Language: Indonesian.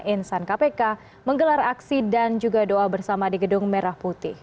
insan kpk menggelar aksi dan juga doa bersama di gedung merah putih